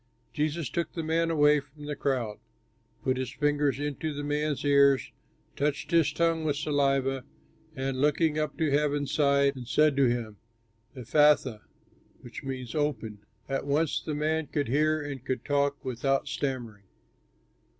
Jesus took the man away from the crowd, put his fingers into the man's ears, touched his tongue with saliva, and looking up to heaven, sighed, and said to him, "Ephphatha" (which means "Open"). And at once, the man could hear and could talk without stammering.